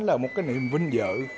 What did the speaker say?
là một cái niềm vinh dự